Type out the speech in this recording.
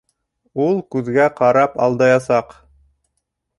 Ул күҙгә ҡарап алдаясаҡ.